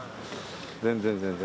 全然全然。